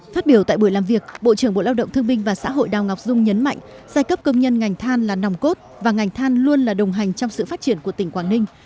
phát biểu tại buổi làm việc bộ trưởng bộ lao động thương binh và xã hội đào ngọc dung nhấn mạnh giai cấp công nhân ngành than là nòng cốt và ngành than luôn là đồng hành trong sự phát triển của tỉnh quảng ninh